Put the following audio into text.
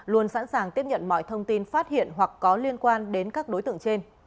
luôn sẵn sàng tiếp nhận mọi thông tin phát hiện hoặc có liên quan đến các đối tượng trên